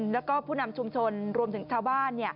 แล้วก็ผู้นำชุมชนรวมถึงชาวบ้าน